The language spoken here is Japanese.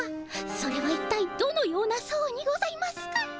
それはいったいどのような相にございますか？